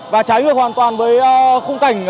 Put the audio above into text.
và trái ngược hoàn toàn với khung cảnh